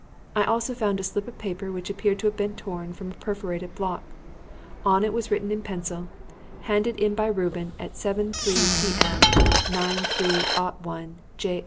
I also found a slip of paper which appeared to have been torn from a perforated block. On it was written in pencil, 'Handed in by Reuben at 7.3 p.m. 9.3.01. J.